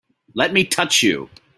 Let me touch you!